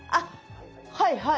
はいはい